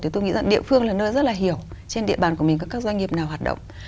thì tôi nghĩ rằng địa phương là nơi rất là hiểu trên địa bàn của mình các doanh nghiệp nào hoạt động